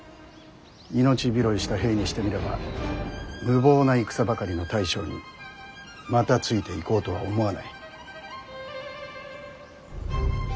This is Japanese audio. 命拾いした兵にしてみれば無謀な戦ばかりの大将にまたついていこうとは思わない。